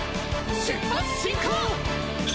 出発進行！